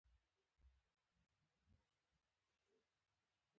هغه بېرته د پیټرزبورګ ښار ته روان شو